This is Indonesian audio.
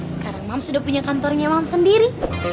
sekarang mams udah punya kantornya mams sendiri